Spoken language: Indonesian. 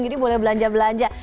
jadi boleh belanja belanja